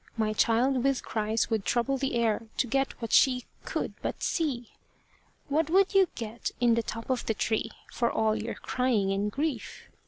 My child with cries would trouble the air, To get what she could but see. What would you get in the top of the tree For all your crying and grief?